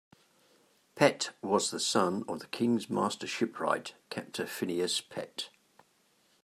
Pett was the son of the King's Master Shipwright Captain Phineas Pett.